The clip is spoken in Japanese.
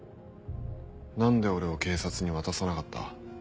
何で俺を警察に渡さなかった？